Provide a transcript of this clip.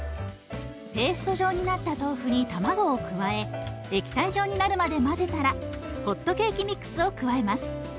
ペースト状になった豆腐に卵を加え液体状になるまで混ぜたらホットケーキミックスを加えます。